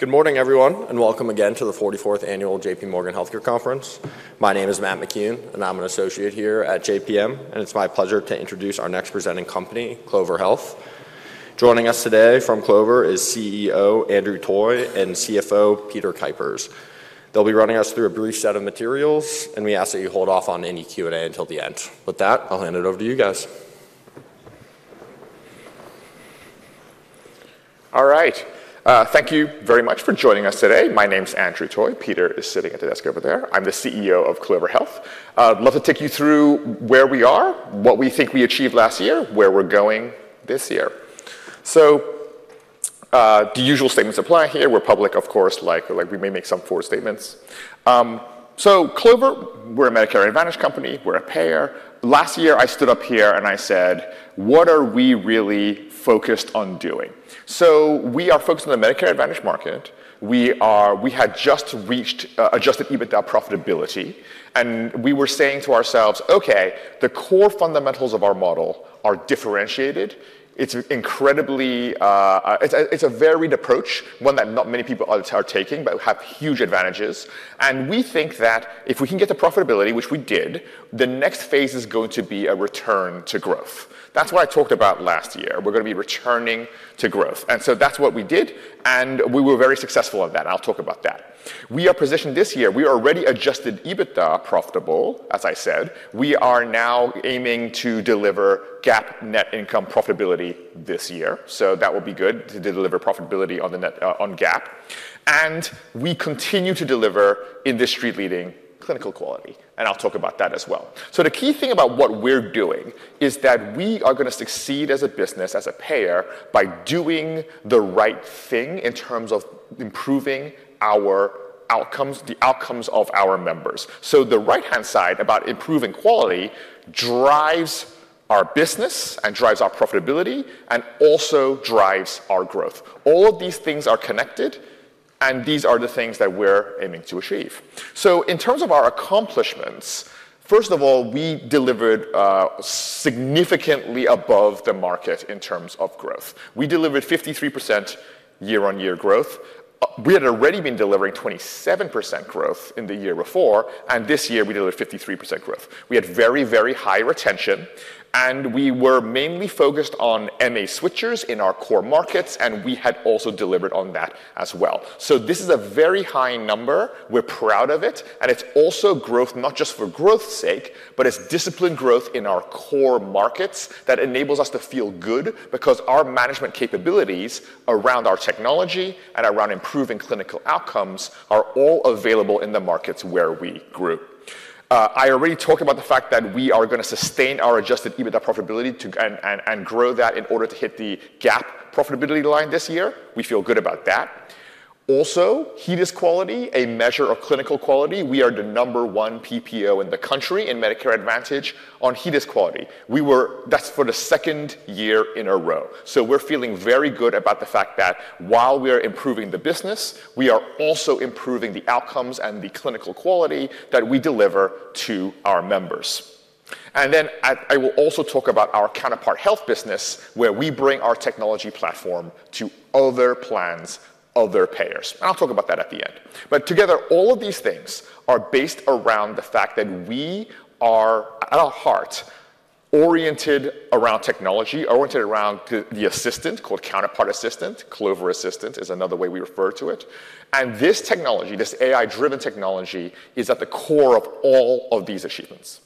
Good morning, everyone, and welcome again to the 44th Annual JPMorgan Healthcare Conference. My name is Matt McKeon, and I'm an Associate here at JPM, and it's my pleasure to introduce our next presenting company, Clover Health. Joining us today from Clover is CEO Andrew Toy and CFO Peter Kuipers. They'll be running us through a brief set of materials, and we ask that you hold off on any Q&A until the end. With that, I'll hand it over to you guys. All right. Thank you very much for joining us today. My name's Andrew Toy. Peter is sitting at the desk over there. I'm the CEO of Clover Health. I'd love to take you through where we are, what we think we achieved last year, and where we're going this year. So the usual statements apply here. We're public, of course, like we may make some forward-looking statements. So Clover, we're a Medicare Advantage company. We're a payer. Last year, I stood up here and I said, what are we really focused on doing? So we are focused on the Medicare Advantage market. We had just reached Adjusted EBITDA profitability, and we were saying to ourselves, Okay, the core fundamentals of our model are differentiated. It's a vertical approach, one that not many people are taking, but have huge advantages. And we think that if we can get to profitability, which we did, the next phase is going to be a return to growth. That's what I talked about last year. We're going to be returning to growth. And so that's what we did, and we were very successful at that. I'll talk about that. We are positioned this year. We are already Adjusted EBITDA profitable, as I said. We are now aiming to deliver GAAP net income profitability this year. So that will be good to deliver profitability on GAAP. And we continue to deliver industry-leading clinical quality. And I'll talk about that as well. So the key thing about what we're doing is that we are going to succeed as a business, as a payer, by doing the right thing in terms of improving the outcomes of our members. So the right-hand side about improving quality drives our business and drives our profitability and also drives our growth. All of these things are connected, and these are the things that we're aiming to achieve. So in terms of our accomplishments, first of all, we delivered significantly above the market in terms of growth. We delivered 53% year-on-year growth. We had already been delivering 27% growth in the year before, and this year we delivered 53% growth. We had very, very high retention, and we were mainly focused on MA switchers in our core markets, and we had also delivered on that as well. So this is a very high number. We're proud of it, and it's also growth not just for growth's sake, but it's disciplined growth in our core markets that enables us to feel good because our management capabilities around our technology and around improving clinical outcomes are all available in the markets where we grew. I already talked about the fact that we are going to sustain our Adjusted EBITDA profitability and grow that in order to hit the GAAP profitability line this year. We feel good about that. Also, HEDIS quality, a measure of clinical quality. We are the number one PPO in the country in Medicare Advantage on HEDIS quality. That's for the second year in a row. So we're feeling very good about the fact that while we are improving the business, we are also improving the outcomes and the clinical quality that we deliver to our members. And then I will also talk about our Counterpart Health business, where we bring our technology platform to other plans, other payers. And I'll talk about that at the end. But together, all of these things are based around the fact that we are, at our heart, oriented around technology, oriented around the assistant called Counterpart Assistant. Clover Assistant is another way we refer to it. And this technology, this AI-driven technology, is at the core of all of these achievements.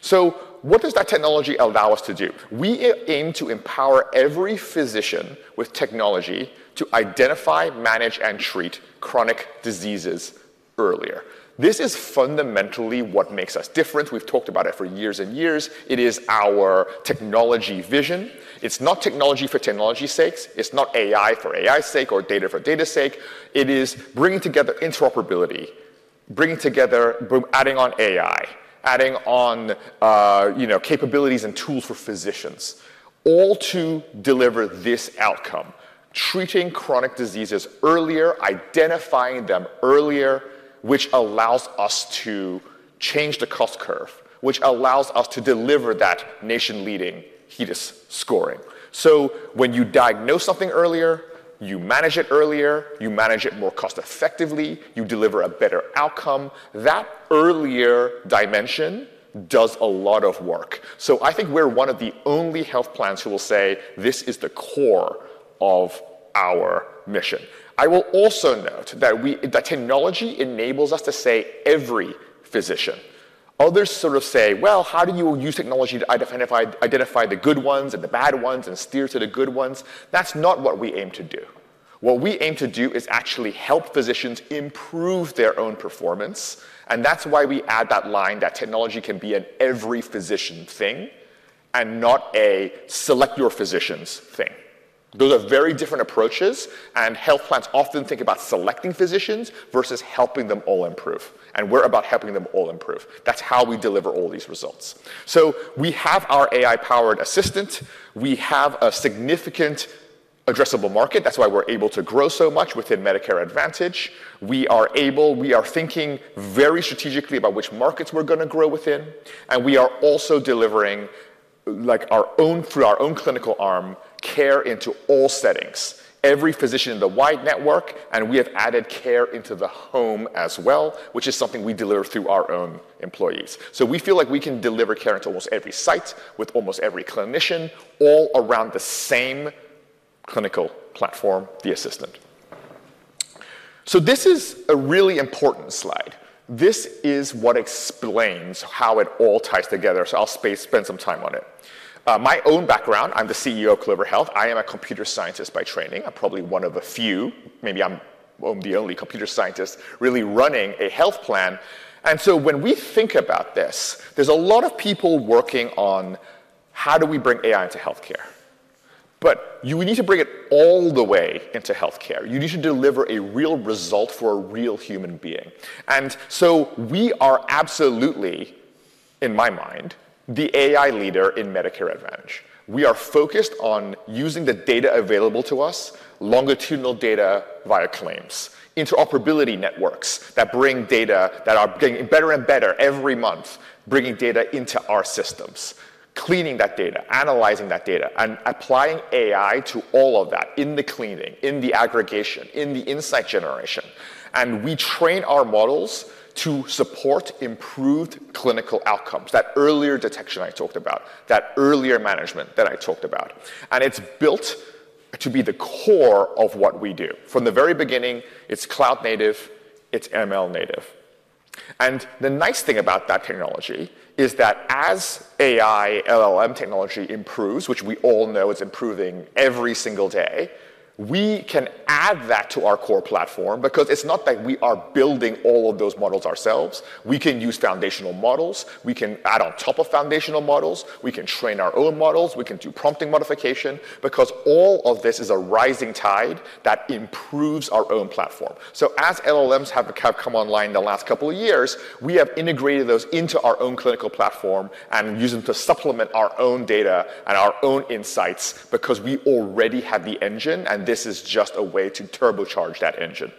So what does that technology allow us to do? We aim to empower every physician with technology to identify, manage, and treat chronic diseases earlier. This is fundamentally what makes us different. We've talked about it for years and years. It is our technology vision. It's not technology for technology's sake. It's not AI for AI's sake or data for data's sake. It is bringing together interoperability, bringing together, adding on AI, adding on capabilities and tools for physicians, all to deliver this outcome: treating chronic diseases earlier, identifying them earlier, which allows us to change the cost curve, which allows us to deliver that nation-leading HEDIS scoring. So when you diagnose something earlier, you manage it earlier, you manage it more cost-effectively, you deliver a better outcome. That earlier dimension does a lot of work. So I think we're one of the only health plans who will say this is the core of our mission. I will also note that technology enables us to say every physician. Others sort of say, well, how do you use technology to identify the good ones and the bad ones and steer to the good ones? That's not what we aim to do. What we aim to do is actually help physicians improve their own performance, and that's why we add that line, that technology can be an every physician thing and not a select your physicians thing. Those are very different approaches, and health plans often think about selecting physicians versus helping them all improve, and we're about helping them all improve. That's how we deliver all these results, so we have our AI-powered assistant. We have a significant addressable market. That's why we're able to grow so much within Medicare Advantage. We are thinking very strategically about which markets we're going to grow within, and we are also delivering through our own clinical arm care into all settings, every physician in the wide network, and we have added care into the home as well, which is something we deliver through our own employees. So we feel like we can deliver care into almost every site with almost every clinician, all around the same clinical platform, the assistant. So this is a really important slide. This is what explains how it all ties together. So I'll spend some time on it. My own background, I'm the CEO of Clover Health. I am a computer scientist by training. I'm probably one of a few, maybe I'm the only computer scientist really running a health plan. And so when we think about this, there's a lot of people working on how do we bring AI into health care. But you need to bring it all the way into health care. You need to deliver a real result for a real human being. And so we are absolutely, in my mind, the AI leader in Medicare Advantage. We are focused on using the data available to us, longitudinal data via claims, interoperability networks that bring data that are getting better and better every month, bringing data into our systems, cleaning that data, analyzing that data, and applying AI to all of that in the cleaning, in the aggregation, in the insight generation. And we train our models to support improved clinical outcomes, that earlier detection I talked about, that earlier management that I talked about. And it's built to be the core of what we do. From the very beginning, it's cloud native, it's ML native. And the nice thing about that technology is that as AI LLM technology improves, which we all know is improving every single day, we can add that to our core platform because it's not that we are building all of those models ourselves. We can use foundational models. We can add on top of foundational models. We can train our own models. We can do prompting modification because all of this is a rising tide that improves our own platform. So as LLMs have come online in the last couple of years, we have integrated those into our own clinical platform and used them to supplement our own data and our own insights because we already have the engine, and this is just a way to turbocharge that engine.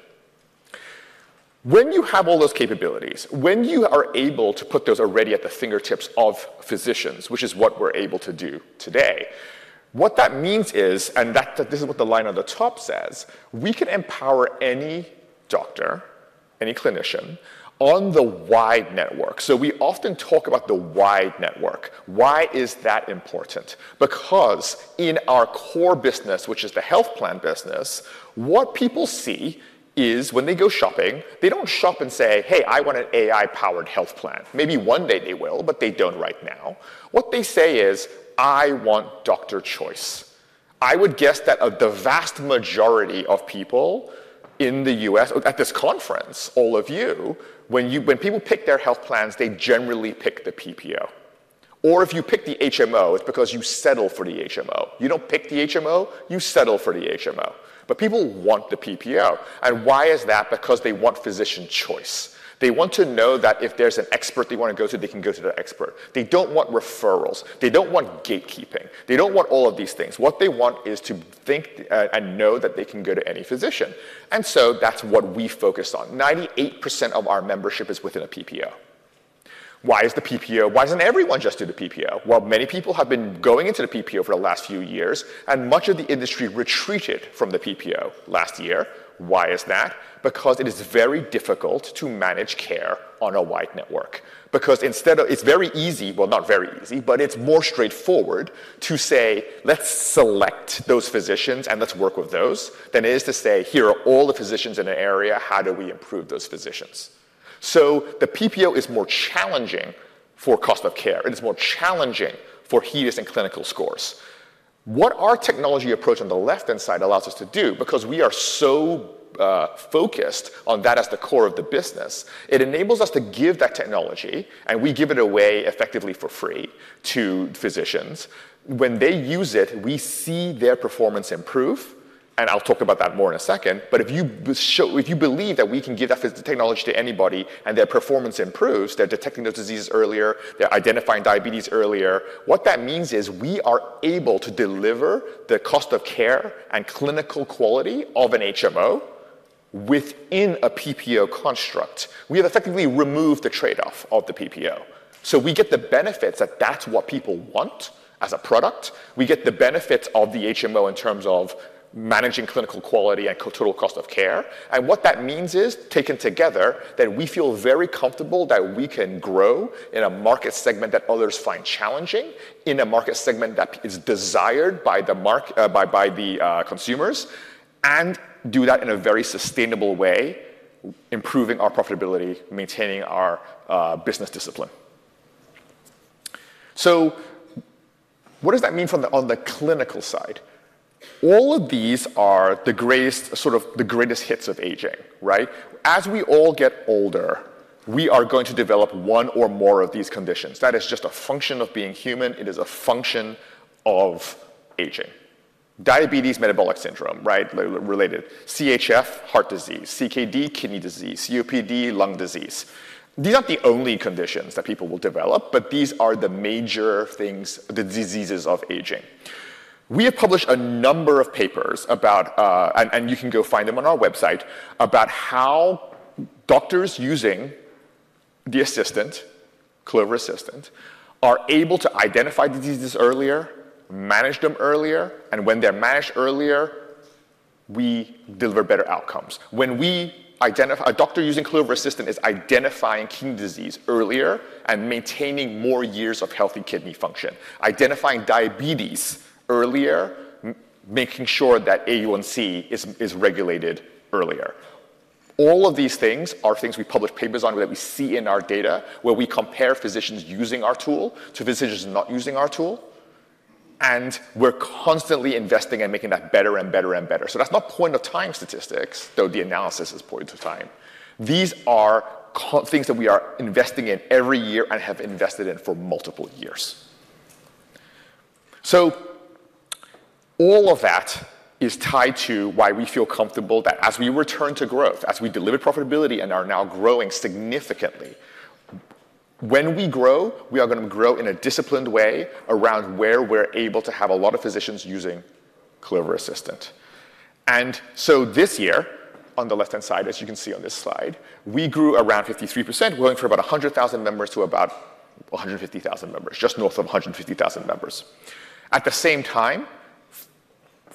When you have all those capabilities, when you are able to put those already at the fingertips of physicians, which is what we're able to do today, what that means is, and this is what the line on the top says, we can empower any doctor, any clinician on the wide network. So we often talk about the wide network. Why is that important? Because in our core business, which is the health plan business, what people see is when they go shopping, they don't shop and say, hey, I want an AI-powered health plan. Maybe one day they will, but they don't right now. What they say is, I want doctor choice. I would guess that of the vast majority of people in the U.S. at this conference, all of you, when people pick their health plans, they generally pick the PPO. Or if you pick the HMO, it's because you settle for the HMO. You don't pick the HMO, you settle for the HMO. But people want the PPO. And why is that? Because they want physician choice. They want to know that if there's an expert they want to go to, they can go to the expert. They don't want referrals. They don't want gatekeeping. They don't want all of these things. What they want is to think and know that they can go to any physician, and so that's what we focus on. 98% of our membership is within a PPO. Why is the PPO? Why doesn't everyone just do the PPO? Well, many people have been going into the PPO for the last few years, and much of the industry retreated from the PPO last year. Why is that? Because it is very difficult to manage care on a wide network. Because instead of it's very easy, well, not very easy, but it's more straightforward to say, let's select those physicians and let's work with those than it is to say, here are all the physicians in an area, how do we improve those physicians, so the PPO is more challenging for cost of care. It is more challenging for HEDIS and clinical scores. What our technology approach on the left-hand side allows us to do, because we are so focused on that as the core of the business, it enables us to give that technology, and we give it away effectively for free to physicians. When they use it, we see their performance improve, and I'll talk about that more in a second, but if you believe that we can give that technology to anybody and their performance improves, they're detecting those diseases earlier, they're identifying diabetes earlier, what that means is we are able to deliver the cost of care and clinical quality of an HMO within a PPO construct. We have effectively removed the trade-off of the PPO, so we get the benefits that that's what people want as a product. We get the benefits of the HMO in terms of managing clinical quality and total cost of care. And what that means is, taken together, that we feel very comfortable that we can grow in a market segment that others find challenging, in a market segment that is desired by the consumers, and do that in a very sustainable way, improving our profitability, maintaining our business discipline. So what does that mean on the clinical side? All of these are the greatest hits of aging. As we all get older, we are going to develop one or more of these conditions. That is just a function of being human. It is a function of aging. Diabetes, metabolic syndrome, related. CHF, heart disease. CKD, kidney disease. COPD, lung disease. These aren't the only conditions that people will develop, but these are the major things, the diseases of aging. We have published a number of papers about, and you can go find them on our website, about how doctors using the assistant, Clover Assistant, are able to identify diseases earlier, manage them earlier, and when they're managed earlier, we deliver better outcomes. When a doctor using Clover Assistant is identifying kidney disease earlier and maintaining more years of healthy kidney function, identifying diabetes earlier, making sure that A1C is regulated earlier. All of these things are things we publish papers on that we see in our data where we compare physicians using our tool to physicians not using our tool, and we're constantly investing and making that better and better and better, so that's not point of time statistics, though the analysis is point of time. These are things that we are investing in every year and have invested in for multiple years. So all of that is tied to why we feel comfortable that as we return to growth, as we deliver profitability and are now growing significantly, when we grow, we are going to grow in a disciplined way around where we're able to have a lot of physicians using Clover Assistant. And so this year, on the left-hand side, as you can see on this slide, we grew around 53%, growing from about 100,000 members to about 150,000 members, just north of 150,000 members. At the same time,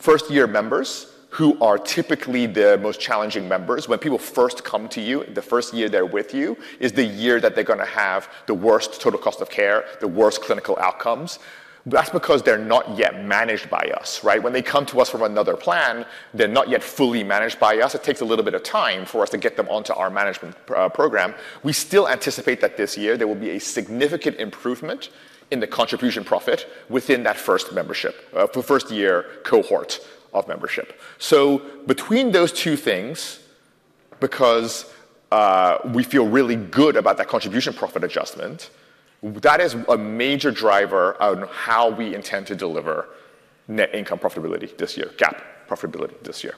first-year members who are typically the most challenging members, when people first come to you, the first year they're with you is the year that they're going to have the worst total cost of care, the worst clinical outcomes. That's because they're not yet managed by us. When they come to us from another plan, they're not yet fully managed by us. It takes a little bit of time for us to get them onto our management program. We still anticipate that this year there will be a significant improvement in the contribution profit within that first membership, first-year cohort of membership. So between those two things, because we feel really good about that contribution profit adjustment, that is a major driver on how we intend to deliver net income profitability this year, GAAP profitability this year.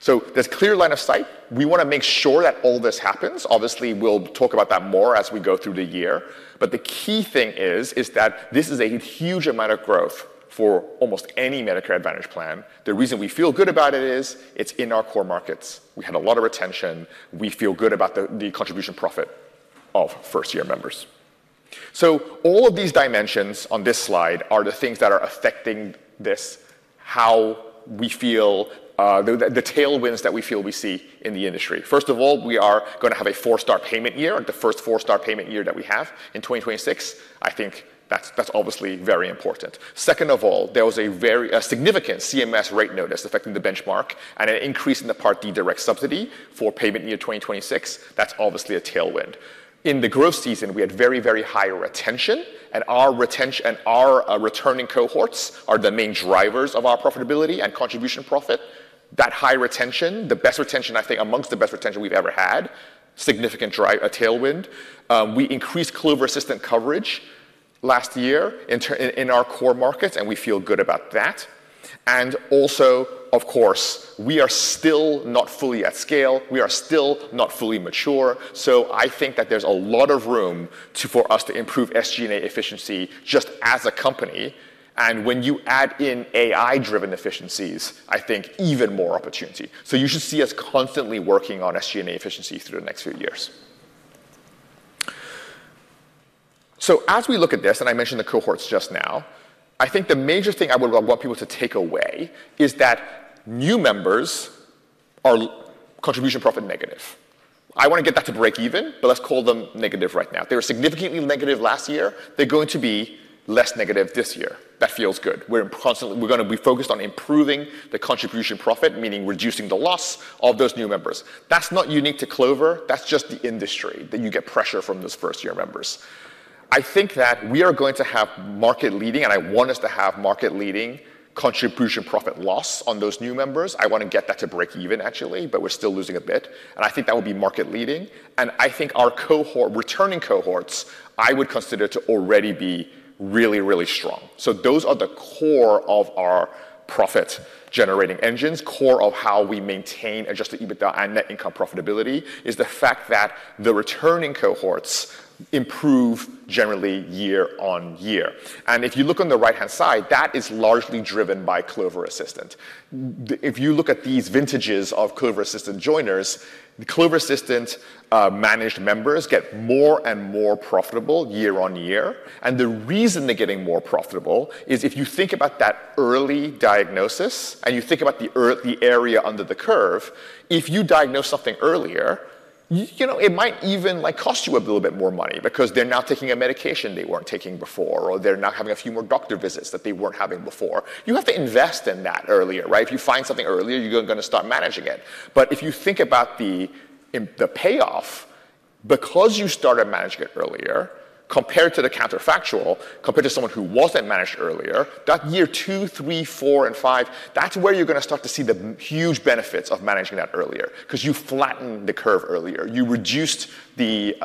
So there's a clear line of sight. We want to make sure that all this happens. Obviously, we'll talk about that more as we go through the year. But the key thing is that this is a huge amount of growth for almost any Medicare Advantage plan. The reason we feel good about it is it's in our core markets. We had a lot of retention. We feel good about the Contribution Profit of first-year members, so all of these dimensions on this slide are the things that are affecting this, how we feel, the tailwinds that we feel we see in the industry. First of all, we are going to have a four-star payment year, the first four-star payment year that we have in 2026. I think that's obviously very important. Second of all, there was a significant CMS rate notice affecting the benchmark and an increase in the Part D direct subsidy for payment year 2026. That's obviously a tailwind. In the growth season, we had very, very high retention, and our returning cohorts are the main drivers of our profitability and Contribution Profit. That high retention, the best retention, I think, amongst the best retention we've ever had, significant tailwind. We increased Clover Assistant coverage last year in our core markets, and we feel good about that and also, of course, we are still not fully at scale. We are still not fully mature, so I think that there's a lot of room for us to improve SG&A efficiency just as a company and when you add in AI-driven efficiencies, I think even more opportunity, so you should see us constantly working on SG&A efficiency through the next few years, so as we look at this, and I mentioned the cohorts just now, I think the major thing I would want people to take away is that new members are contribution profit negative. I want to get that to break even, but let's call them negative right now. They were significantly negative last year. They're going to be less negative this year. That feels good. We're going to be focused on improving the Contribution Profit, meaning reducing the loss of those new members. That's not unique to Clover. That's just the industry that you get pressure from those first-year members. I think that we are going to have market leading, and I want us to have market leading Contribution Profit loss on those new members. I want to get that to break even, actually, but we're still losing a bit. And I think that will be market leading. And I think our returning cohorts, I would consider to already be really, really strong. So those are the core of our profit-generating engines, core of how we maintain Adjusted EBITDA and net income profitability is the fact that the returning cohorts improve generally year on year. And if you look on the right-hand side, that is largely driven by Clover Assistant. If you look at these vintages of Clover Assistant joiners, Clover Assistant managed members get more and more profitable year on year, and the reason they're getting more profitable is if you think about that early diagnosis and you think about the area under the curve, if you diagnose something earlier, it might even cost you a little bit more money because they're now taking a medication they weren't taking before, or they're now having a few more doctor visits that they weren't having before. You have to invest in that earlier. If you find something earlier, you're going to start managing it. But if you think about the payoff, because you started managing it earlier, compared to the counterfactual, compared to someone who wasn't managed earlier, that year two, three, four, and five, that's where you're going to start to see the huge benefits of managing that earlier because you flattened the curve earlier. You reduced the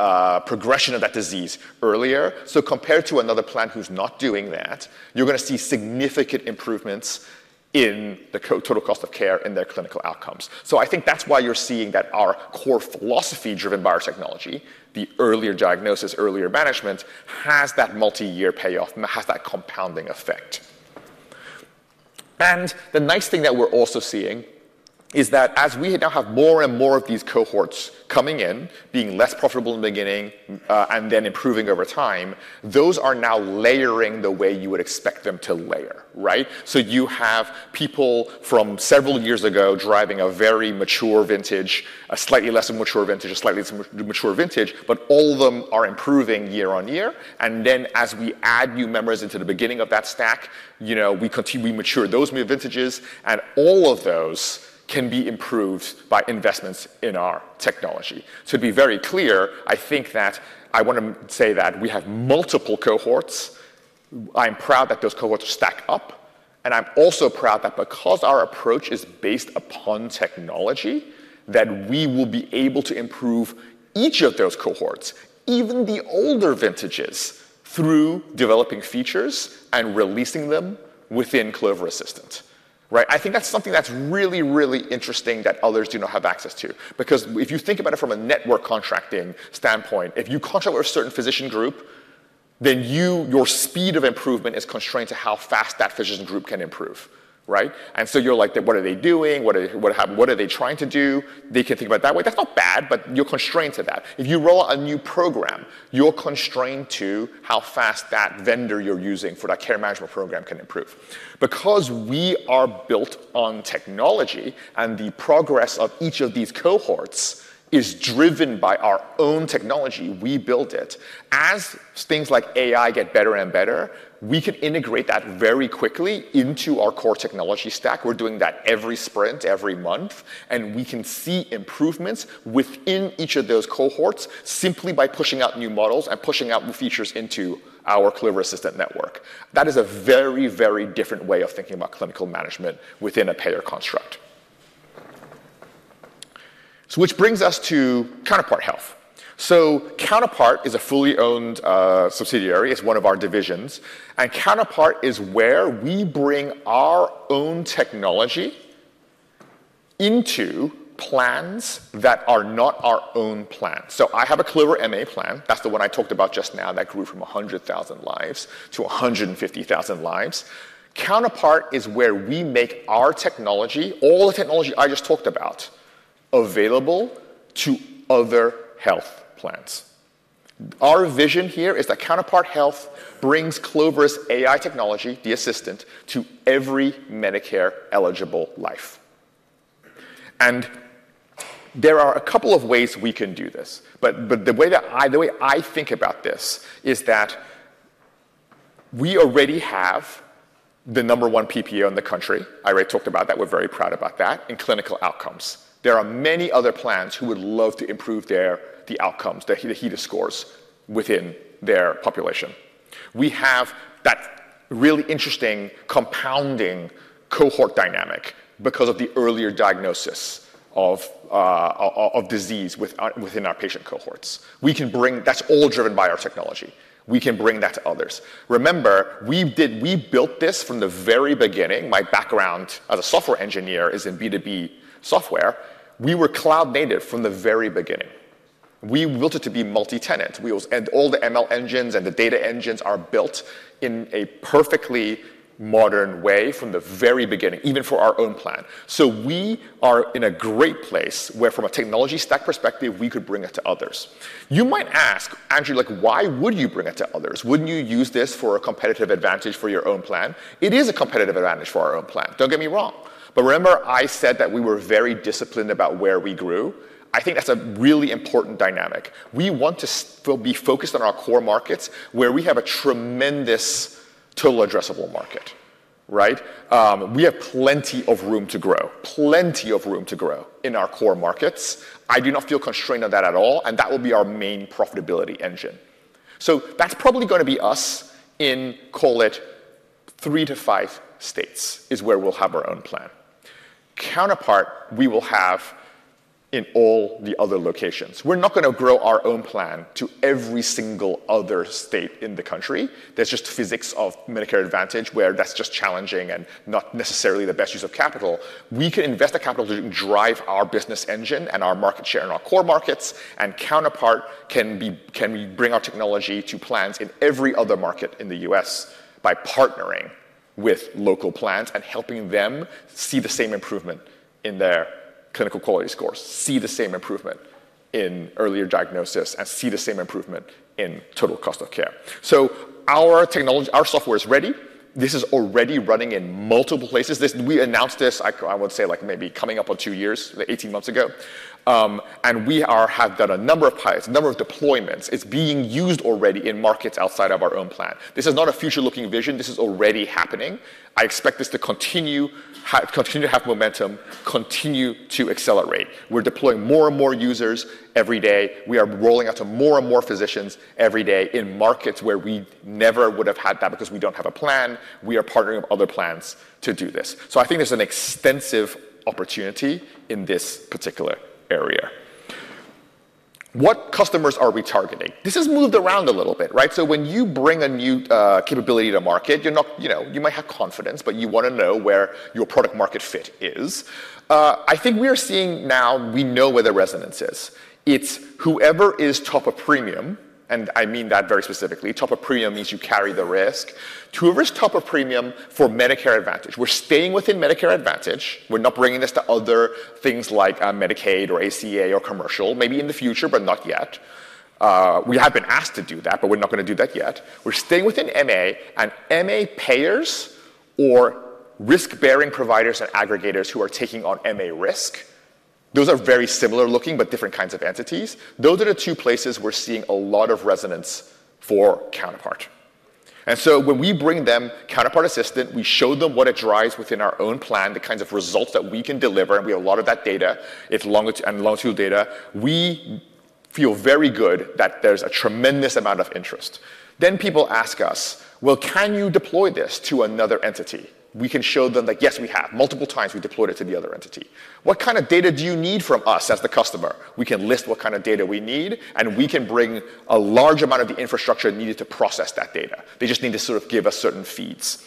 progression of that disease earlier. So compared to another plan who's not doing that, you're going to see significant improvements in the total cost of care in their clinical outcomes. So I think that's why you're seeing that our core philosophy driven by technology, the earlier diagnosis, earlier management, has that multi-year payoff, has that compounding effect. And the nice thing that we're also seeing is that as we now have more and more of these cohorts coming in, being less profitable in the beginning and then improving over time, those are now layering the way you would expect them to layer. So you have people from several years ago driving a very mature vintage, a slightly less mature vintage, a slightly mature vintage, but all of them are improving year on year. And then as we add new members into the beginning of that stack, we mature those vintages, and all of those can be improved by investments in our technology. To be very clear, I think that I want to say that we have multiple cohorts. I'm proud that those cohorts stack up. And I'm also proud that because our approach is based upon technology, that we will be able to improve each of those cohorts, even the older vintages, through developing features and releasing them within Clover Assistant. I think that's something that's really, really interesting that others do not have access to. Because if you think about it from a network contracting standpoint, if you contract with a certain physician group, then your speed of improvement is constrained to how fast that physician group can improve. And so you're like, what are they doing? What are they trying to do? They can think about it that way. That's not bad, but you're constrained to that. If you roll out a new program, you're constrained to how fast that vendor you're using for that care management program can improve. Because we are built on technology and the progress of each of these cohorts is driven by our own technology, we built it. As things like AI get better and better, we can integrate that very quickly into our core technology stack. We're doing that every sprint, every month, and we can see improvements within each of those cohorts simply by pushing out new models and pushing out new features into our Clover Assistant network. That is a very, very different way of thinking about clinical management within a payer construct, so which brings us to Counterpart Health. Counterpart is a fully owned subsidiary. It's one of our divisions, and Counterpart is where we bring our own technology into plans that are not our own plan. I have a Clover MA plan. That's the one I talked about just now that grew from 100,000 lives-150,000 lives. Counterpart is where we make our technology, all the technology I just talked about, available to other health plans. Our vision here is that Counterpart Health brings Clover's AI technology, the Assistant, to every Medicare-eligible life. And there are a couple of ways we can do this. But the way I think about this is that we already have the number one PPO in the country. I already talked about that. We're very proud about that in clinical outcomes. There are many other plans who would love to improve the outcomes, the HEDIS scores within their population. We have that really interesting compounding cohort dynamic because of the earlier diagnosis of disease within our patient cohorts. That's all driven by our technology. We can bring that to others. Remember, we built this from the very beginning. My background as a software engineer is in B2B software. We were cloud-native from the very beginning. We built it to be multi-tenant. And all the ML engines and the data engines are built in a perfectly modern way from the very beginning, even for our own plan. So we are in a great place where, from a technology stack perspective, we could bring it to others. You might ask, Andrew, why would you bring it to others? Wouldn't you use this for a competitive advantage for your own plan? It is a competitive advantage for our own plan. Don't get me wrong. But remember, I said that we were very disciplined about where we grew. I think that's a really important dynamic. We want to be focused on our core markets where we have a tremendous total addressable market. We have plenty of room to grow, plenty of room to grow in our core markets. I do not feel constrained on that at all. And that will be our main profitability engine. So that's probably going to be us in, call it, three to five states is where we'll have our own plan. Counterpart, we will have in all the other locations. We're not going to grow our own plan to every single other state in the country. There's just physics of Medicare Advantage where that's just challenging and not necessarily the best use of capital. We can invest the capital to drive our business engine and our market share in our core markets. And Counterpart can bring our technology to plans in every other market in the U.S. by partnering with local plans and helping them see the same improvement in their clinical quality scores, see the same improvement in earlier diagnosis, and see the same improvement in total cost of care. So our software is ready. This is already running in multiple places. We announced this, I would say, maybe coming up on two years, 18 months ago. And we have done a number of pilots, a number of deployments. It's being used already in markets outside of our own plan. This is not a future-looking vision. This is already happening. I expect this to continue to have momentum, continue to accelerate. We're deploying more and more users every day. We are rolling out to more and more physicians every day in markets where we never would have had that because we don't have a plan. We are partnering with other plans to do this. So I think there's an extensive opportunity in this particular area. What customers are we targeting? This has moved around a little bit. So when you bring a new capability to market, you might have confidence, but you want to know where your product-market fit is. I think we are seeing now. We know where the resonance is. It's whoever is top of premium, and I mean that very specifically. Top of premium means you carry the risk. At risk, top of premium for Medicare Advantage. We're staying within Medicare Advantage. We're not bringing this to other things like Medicaid or ACA or Commercial, maybe in the future, but not yet. We have been asked to do that, but we're not going to do that yet. We're staying within MA, and MA payers or risk-bearing providers and aggregators who are taking on MA risk, those are very similar-looking but different kinds of entities. Those are the two places we're seeing a lot of resonance for Counterpart. And so when we bring them Counterpart Assistant, we show them what it drives within our own plan, the kinds of results that we can deliver. And we have a lot of that data and longitudinal data. We feel very good that there's a tremendous amount of interest. Then people ask us, well, can you deploy this to another entity? We can show them that, yes, we have. Multiple times, we deployed it to the other entity. What kind of data do you need from us as the customer? We can list what kind of data we need, and we can bring a large amount of the infrastructure needed to process that data. They just need to sort of give us certain feeds.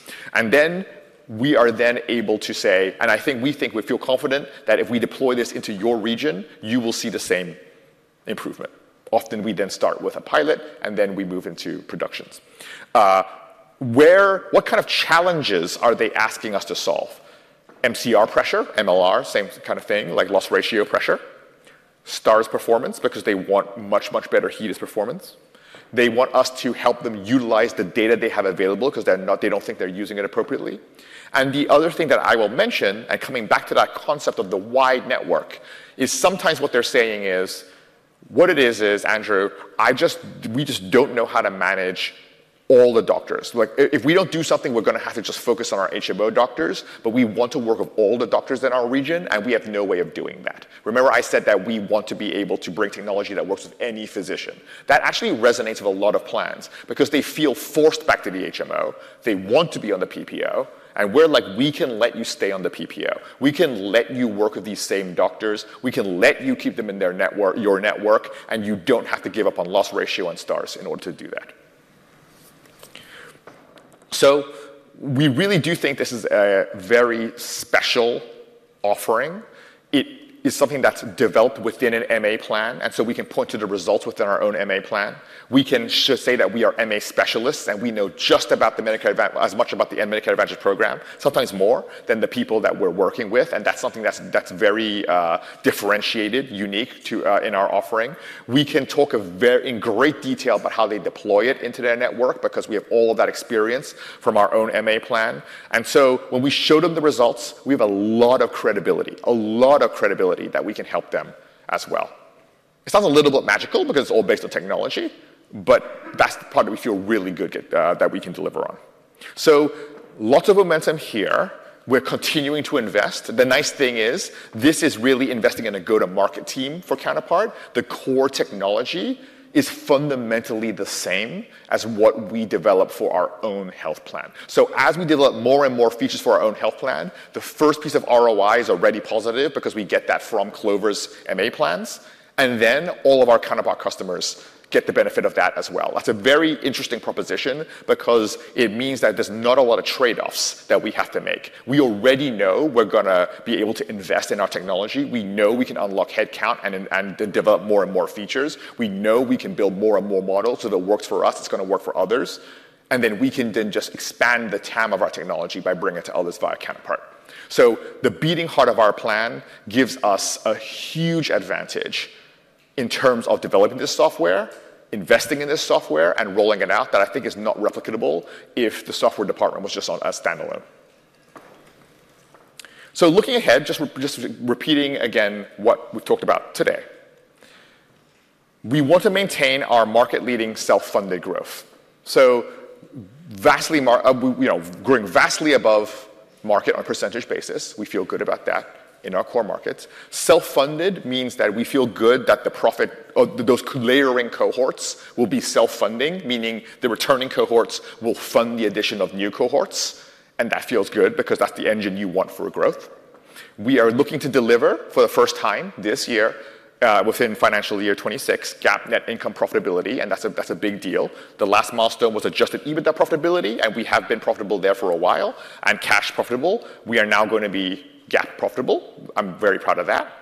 Then we are able to say, and I think we feel confident that if we deploy this into your region, you will see the same improvement. Often, we then start with a pilot, and then we move into production. What kind of challenges are they asking us to solve? MCR pressure, MLR, same kind of thing, like loss ratio pressure, Stars performance because they want much, much better HEDIS performance. They want us to help them utilize the data they have available because they don't think they're using it appropriately. The other thing that I will mention, coming back to that concept of the wide network, is sometimes what they're saying is, what it is, Andrew, we just don't know how to manage all the doctors. If we don't do something, we're going to have to just focus on our HMO doctors. But we want to work with all the doctors in our region, and we have no way of doing that. Remember, I said that we want to be able to bring technology that works with any physician. That actually resonates with a lot of plans because they feel forced back to the HMO. They want to be on the PPO. And we're like, we can let you stay on the PPO. We can let you work with these same doctors. We can let you keep them in your network, and you don't have to give up on Loss Ratio and Stars in order to do that. So we really do think this is a very special offering. It is something that's developed within an MA plan. And so we can point to the results within our own MA plan. We can say that we are MA specialists, and we know just as much about the Medicare Advantage, as much about the Medicare Advantage program, sometimes more than the people that we're working with. And that's something that's very differentiated, unique in our offering. We can talk in great detail about how they deploy it into their network because we have all of that experience from our own MA plan. And so when we show them the results, we have a lot of credibility, a lot of credibility that we can help them as well. It sounds a little bit magical because it's all based on technology, but that's the part that we feel really good that we can deliver on. So lots of momentum here. We're continuing to invest. The nice thing is this is really investing in a go-to-market team for Counterpart. The core technology is fundamentally the same as what we develop for our own health plan. So as we develop more and more features for our own health plan, the first piece of ROI is already positive because we get that from Clover's MA plans. And then all of our Counterpart customers get the benefit of that as well. That's a very interesting proposition because it means that there's not a lot of trade-offs that we have to make. We already know we're going to be able to invest in our technology. We know we can unlock headcount and develop more and more features. We know we can build more and more models so that it works for us. It's going to work for others. And then we can then just expand the TAM of our technology by bringing it to others via Counterpart. So the beating heart of our plan gives us a huge advantage in terms of developing this software, investing in this software, and rolling it out, that I think is not replicable if the software department was just on a standalone. So looking ahead, just repeating again what we talked about today. We want to maintain our market-leading self-funded growth. So growing vastly above market on a percentage basis, we feel good about that in our core markets. Self-funded means that we feel good that those layering cohorts will be self-funding, meaning the returning cohorts will fund the addition of new cohorts. And that feels good because that's the engine you want for growth. We are looking to deliver for the first time this year within fiscal year 2026, GAAP net income profitability. And that's a big deal. The last milestone was adjusted EBITDA profitability. We have been profitable there for a while and cash profitable. We are now going to be GAAP profitable. I'm very proud of that.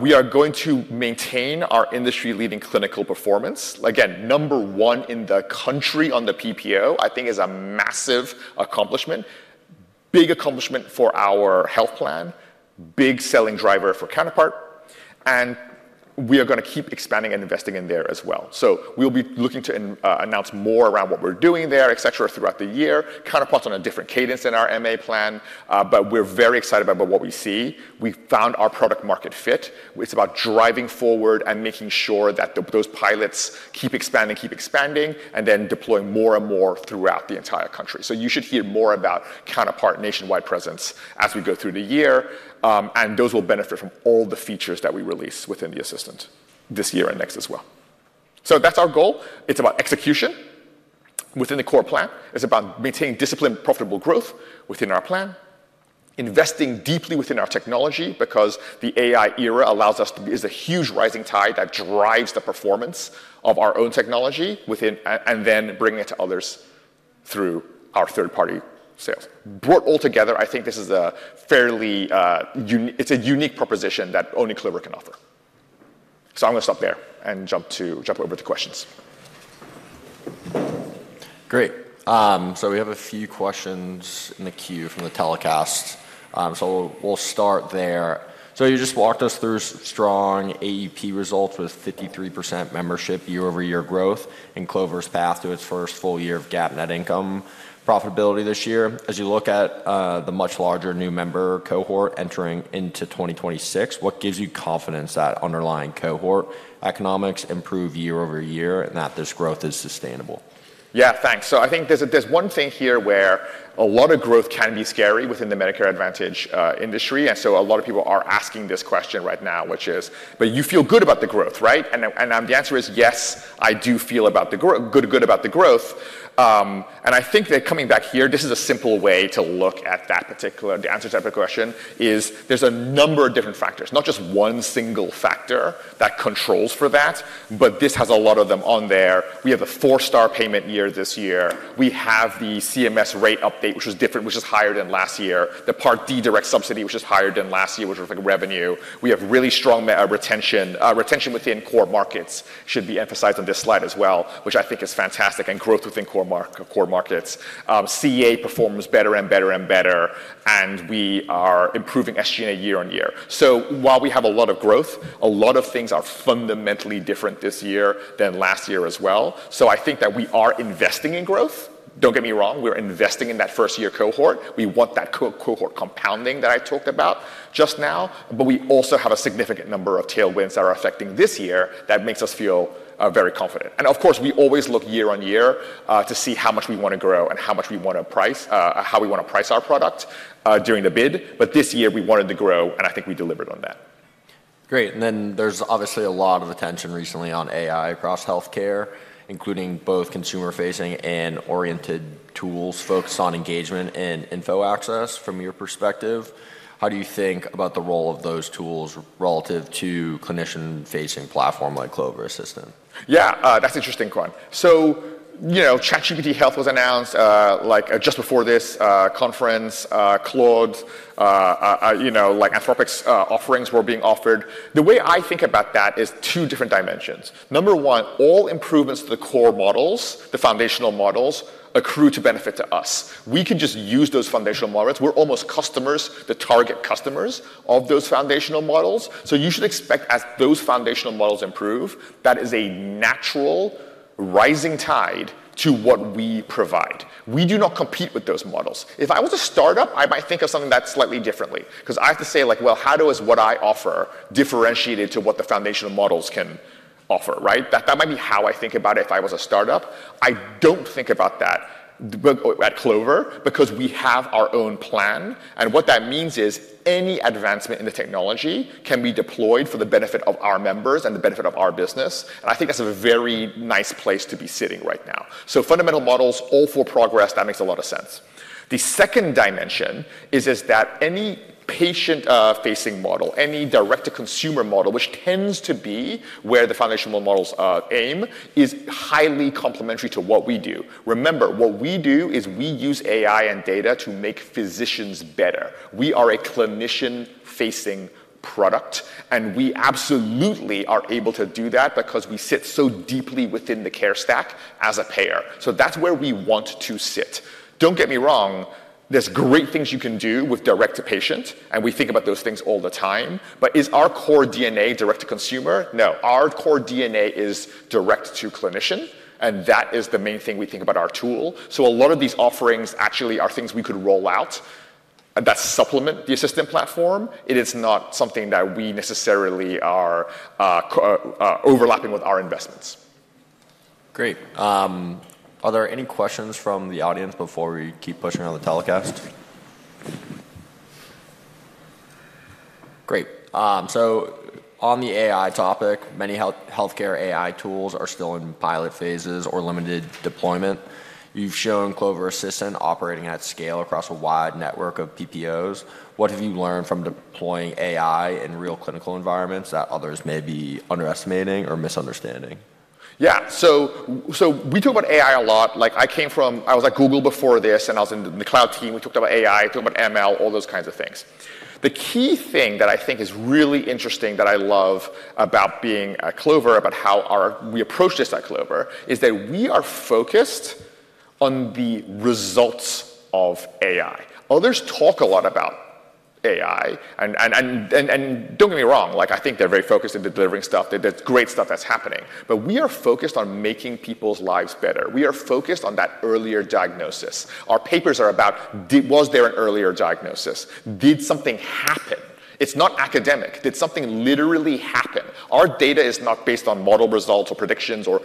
We are going to maintain our industry-leading clinical performance. Again, number one in the country on the PPO, I think, is a massive accomplishment, big accomplishment for our health plan, big selling driver for Counterpart. We are going to keep expanding and investing in there as well. We'll be looking to announce more around what we're doing there, etc., throughout the year. Counterpart's on a different cadence in our MA plan, but we're very excited about what we see. We found our product-market fit. It's about driving forward and making sure that those pilots keep expanding, keep expanding, and then deploy more and more throughout the entire country. You should hear more about Counterpart nationwide presence as we go through the year. And those will benefit from all the features that we release within the Assistant this year and next as well. So that's our goal. It's about execution within the core plan. It's about maintaining discipline, profitable growth within our plan, investing deeply within our technology because the AI era allows us to be a huge rising tide that drives the performance of our own technology and then bringing it to others through our third-party sales. Brought all together, I think this is a fairly unique proposition that only Clover can offer. So I'm going to stop there and jump over to questions. Great. So we have a few questions in the queue from the telecast. So we'll start there. So you just walked us through strong AEP results with 53% membership year-over-year growth in Clover's path to its first full year of GAAP net income profitability this year. As you look at the much larger new member cohort entering into 2026, what gives you confidence that underlying cohort economics improve year-over-year and that this growth is sustainable? Yeah, thanks, so I think there's one thing here where a lot of growth can be scary within the Medicare Advantage industry, and so a lot of people are asking this question right now, which is, but you feel good about the growth, right, and the answer is, yes, I do feel good about the growth, and I think that coming back here, this is a simple way to look at that particular answer to that question is there's a number of different factors, not just one single factor that controls for that, but this has a lot of them on there. We have a four-star payment year this year. We have the CMS rate update, which was different, which is higher than last year. The Part D direct subsidy, which is higher than last year, which was like revenue. We have really strong retention. Retention within core markets should be emphasized on this slide as well, which I think is fantastic, and growth within core markets. CA performs better and better and better. And we are improving SG&A year on year. So while we have a lot of growth, a lot of things are fundamentally different this year than last year as well. So I think that we are investing in growth. Don't get me wrong. We're investing in that first-year cohort. We want that cohort compounding that I talked about just now. But we also have a significant number of tailwinds that are affecting this year that makes us feel very confident. And of course, we always look year on year to see how much we want to grow and how much we want to price, how we want to price our product during the bid. This year, we wanted to grow, and I think we delivered on that. Great, and then there's obviously a lot of attention recently on AI across healthcare, including both consumer-facing and oriented tools focused on engagement and info access from your perspective. How do you think about the role of those tools relative to clinician-facing platform like Clover Assistant? Yeah, that's an interesting one. So ChatGPT Health was announced just before this conference. Claude, Anthropic's offerings were being offered. The way I think about that is two different dimensions. Number one, all improvements to the core models, the foundational models, accrue to benefit to us. We can just use those foundational models. We're almost customers, the target customers of those foundational models. So you should expect as those foundational models improve, that is a natural rising tide to what we provide. We do not compete with those models. If I was a startup, I might think of something that's slightly differently because I have to say, like, well, how does what I offer differentiate it to what the foundational models can offer, right? That might be how I think about it if I was a startup. I don't think about that at Clover because we have our own plan. And what that means is any advancement in the technology can be deployed for the benefit of our members and the benefit of our business. And I think that's a very nice place to be sitting right now. So fundamental models, all for progress, that makes a lot of sense. The second dimension is that any patient-facing model, any direct-to-consumer model, which tends to be where the foundational models aim, is highly complementary to what we do. Remember, what we do is we use AI and data to make physicians better. We are a clinician-facing product, and we absolutely are able to do that because we sit so deeply within the care stack as a payer. So that's where we want to sit. Don't get me wrong. There's great things you can do with direct-to-patient, and we think about those things all the time. But is our core DNA direct-to-consumer? No. Our core DNA is direct-to-clinician, and that is the main thing we think about our tool. So a lot of these offerings actually are things we could roll out that supplement the Assistant platform. It is not something that we necessarily are overlapping with our investments. Great. Are there any questions from the audience before we keep pushing on the telecast? Great. So on the AI topic, many healthcare AI tools are still in pilot phases or limited deployment. You've shown Clover Assistant operating at scale across a wide network of PPOs. What have you learned from deploying AI in real clinical environments that others may be underestimating or misunderstanding? Yeah. So we talk about AI a lot. I was at Google before this, and I was in the cloud team. We talked about AI, talked about ML, all those kinds of things. The key thing that I think is really interesting that I love about being at Clover, about how we approach this at Clover, is that we are focused on the results of AI. Others talk a lot about AI. And don't get me wrong. I think they're very focused on delivering stuff. There's great stuff that's happening. But we are focused on making people's lives better. We are focused on that earlier diagnosis. Our papers are about, was there an earlier diagnosis? Did something happen? It's not academic. Did something literally happen? Our data is not based on model results or predictions or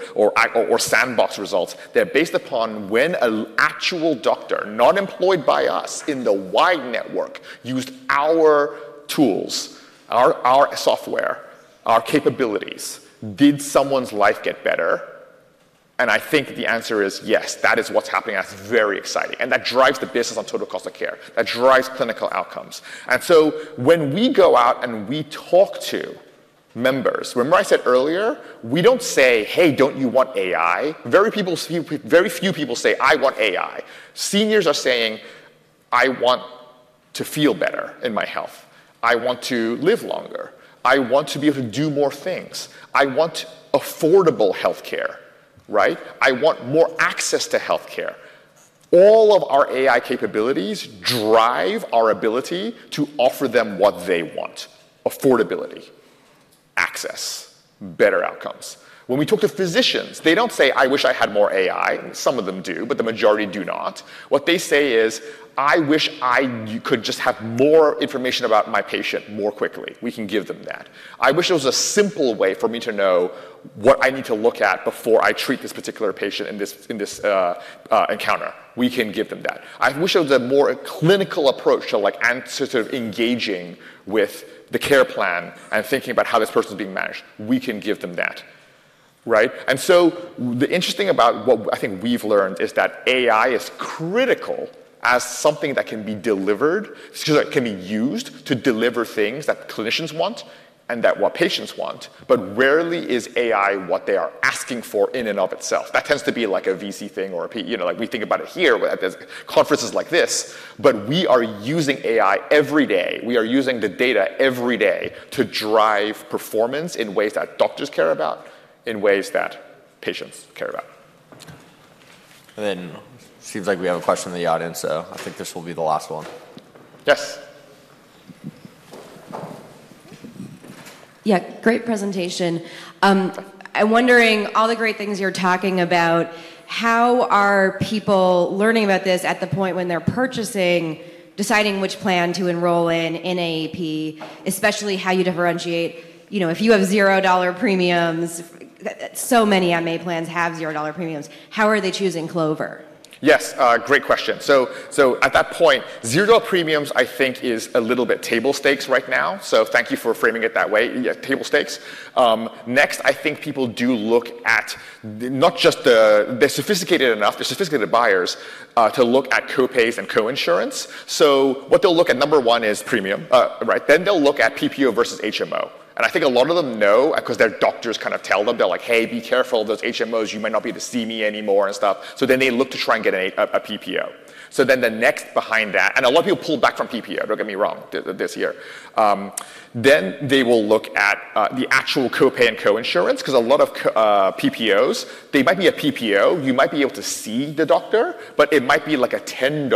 sandbox results. They're based upon when an actual doctor, not employed by us in the wide network, used our tools, our software, our capabilities. Did someone's life get better? And I think the answer is yes. That is what's happening. That's very exciting. And that drives the business on total cost of care. That drives clinical outcomes. And so when we go out and we talk to members, remember I said earlier, we don't say, hey, don't you want AI? Very few people say, I want AI. Seniors are saying, I want to feel better in my health. I want to live longer. I want to be able to do more things. I want affordable healthcare, right? I want more access to healthcare. All of our AI capabilities drive our ability to offer them what they want: affordability, access, better outcomes. When we talk to physicians, they don't say, "I wish I had more AI." Some of them do, but the majority do not. What they say is, "I wish I could just have more information about my patient more quickly." We can give them that. "I wish there was a simple way for me to know what I need to look at before I treat this particular patient in this encounter." We can give them that. "I wish there was a more clinical approach to sort of engaging with the care plan and thinking about how this person is being managed." We can give them that, right? And so what's interesting about what I think we've learned is that AI is critical as something that can be delivered, can be used to deliver things that clinicians want and what patients want. But rarely is AI what they are asking for in and of itself. That tends to be like a VC thing or a PE. We think about it here at conferences like this. But we are using AI every day. We are using the data every day to drive performance in ways that doctors care about, in ways that patients care about. And then it seems like we have a question in the audience, so I think this will be the last one. Yes. Yeah, great presentation. I'm wondering, all the great things you're talking about, how are people learning about this at the point when they're purchasing, deciding which plan to enroll in, in AEP, especially how you differentiate? If you have $0 premiums, so many MA plans have $0 premiums. How are they choosing Clover? Yes, great question. So at that point, $0 premiums, I think, is a little bit table stakes right now. So thank you for framing it that way, table stakes. Next, I think people do look at not just they're sophisticated enough, they're sophisticated buyers to look at copays and coinsurance. So what they'll look at, number one, is premium, right? Then they'll look at PPO vs HMO. And I think a lot of them know because their doctors kind of tell them. They're like, hey, be careful of those HMOs. You might not be able to see me anymore and stuff. So then they look to try and get a PPO. So then the next behind that, and a lot of people pull back from PPO. Don't get me wrong this year. Then they will look at the actual copay and coinsurance because a lot of PPOs. They might be a PPO. You might be able to see the doctor, but it might be like a $10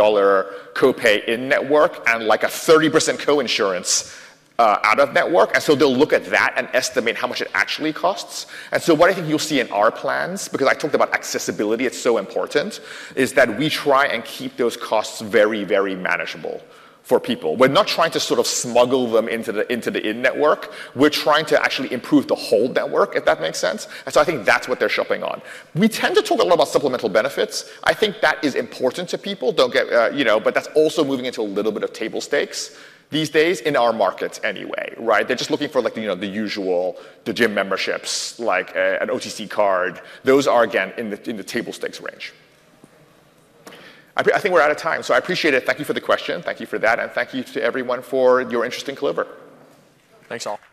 copay in-network and like a 30% coinsurance out-of-network. And so they'll look at that and estimate how much it actually costs. And so what I think you'll see in our plans, because I talked about accessibility, it's so important, is that we try and keep those costs very, very manageable for people. We're not trying to sort of smuggle them into the in-network. We're trying to actually improve the whole network, if that makes sense. And so I think that's what they're shopping on. We tend to talk a lot about supplemental benefits. I think that is important to people. But that's also moving into a little bit of table stakes these days in our markets anyway, right? They're just looking for the usual, the gym memberships, like an OTC card. Those are, again, in the table stakes range. I think we're out of time. So I appreciate it. Thank you for the question. Thank you for that. And thank you to everyone for your interest in Clover. Thanks, Toy.